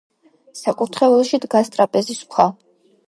საკურთხეველში დგას ტრაპეზის ქვა.